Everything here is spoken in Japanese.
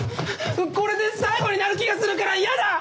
これで最後になる気がするから嫌だ！